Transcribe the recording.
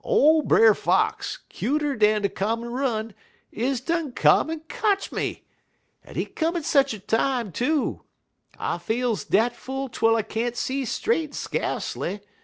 Ole Brer Fox, cuter dan de common run, is done come en kotch me. En he come at sech a time, too! I feels dat full twel I can't see straight skacely.